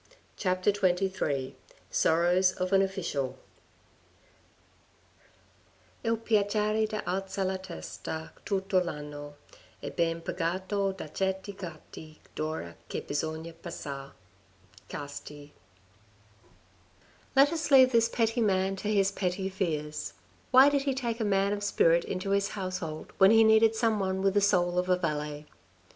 CHAPTER XXIII SORROWS OF AN OFFICIAL II piacere di alzar la testa tutto l'anno, e ben pagato da certi quarti d'ora che bisogna passar. — Casti. Let us leave this petty man to his petty fears ; why aid he take a man of spirit into his household when he needed some one with the soul of a valet?